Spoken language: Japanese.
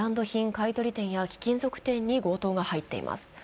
買い取り店や貴金属店に強盗が入っています。